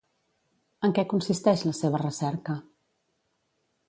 En què consisteix la seva recerca?